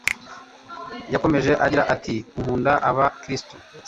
Yakomeje agira ati nkunda aba kirisitu